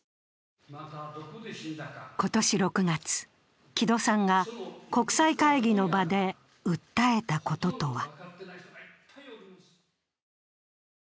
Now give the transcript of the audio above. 今年６月、木戸さんが国際会議の場で訴えたこととは。